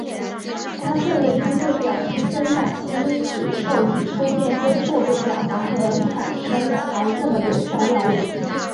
它是唯一对表皮生长因子受体突变跟过度表达而产生的癌症的有效药物。